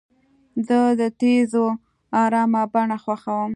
زه د تیږو ارامه بڼه خوښوم.